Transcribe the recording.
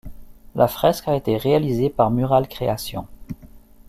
La fresque a été réalisée par Murale Création.